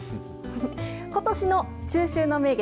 ことしの中秋の名月